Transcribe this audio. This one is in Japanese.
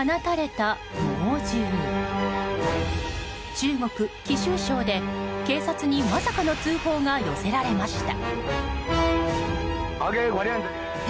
中国・貴州省で、警察にまさかの通報が寄せられました。